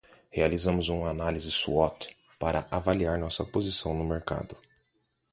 Realizamos uma análise SWOT para avaliar nossa posição no mercado.